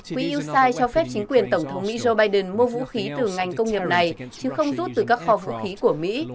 quỹ yoside cho phép chính quyền tổng thống mỹ joe biden mua vũ khí từ ngành công nghiệp này chứ không rút từ các kho vũ khí của mỹ